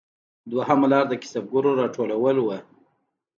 دویمه لار د کسبګرو راټولول وو